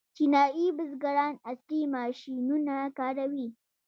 چینايي بزګران عصري ماشینونه کاروي.